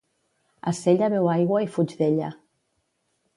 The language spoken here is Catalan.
A Sella beu aigua i fuig d'ella